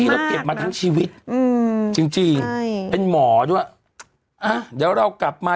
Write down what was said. เราเก็บมาทั้งชีวิตอืมจริงจริงใช่เป็นหมอด้วยอ่ะเดี๋ยวเรากลับมา